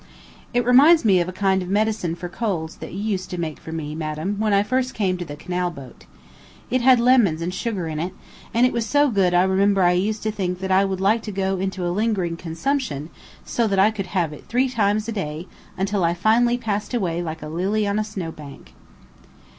It reminds me of a kind of medicine for colds that you used to make for me, madam, when I first came to the canal boat. It had lemons and sugar in it, and it was so good I remember I used to think that I would like to go into a lingering consumption, so that I could have it three times a day, until I finally passed away like a lily on a snowbank.